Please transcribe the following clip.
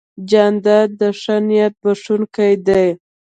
جانداد د ښه نیت بښونکی دی.